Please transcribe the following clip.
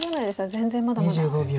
全然まだまだです。